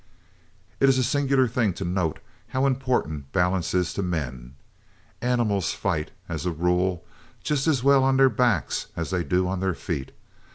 It is a singular thing to note how important balance is to men. Animals fight, as a rule, just as well on their backs as they do on their feet.